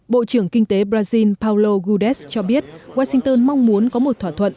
bộ trưởng kinh tế brazil paulo gudes cho biết washington mong muốn có một thỏa thuận